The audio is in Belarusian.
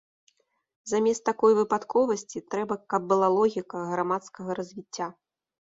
Замест такой выпадковасці трэба, каб была логіка грамадскага развіцця.